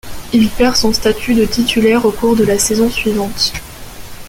Il perd son statut de titulaire au cours de la saison suivante.